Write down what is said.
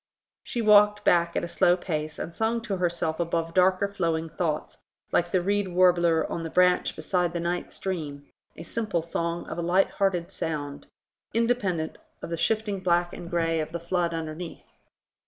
She walked back at a slow pace, and sung to herself above her darker flowing thoughts, like the reed warbler on the branch beside the night stream; a simple song of a lighthearted sound, independent of the shifting black and grey of the flood underneath.